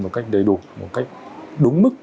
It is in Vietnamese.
một cách đầy đủ một cách đúng mức